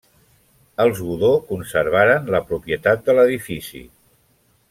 Els Godó conservaren la propietat de l'edifici.